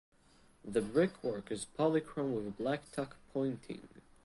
The brickwork is polychrome with black tuck pointing.